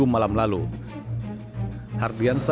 bagaimana cara mereka menangkap penyakit yang berbeda